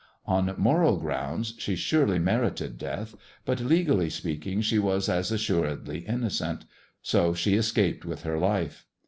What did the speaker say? On moral grounds she surely merited death, but legally speaking she was as assuredly innocent. So she escaped with her life.